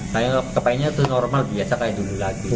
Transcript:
kayaknya normal biasa kayak dulu lagi